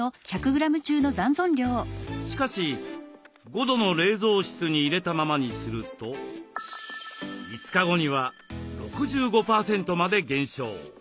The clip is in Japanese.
しかし５度の冷蔵室に入れたままにすると５日後には６５％まで減少。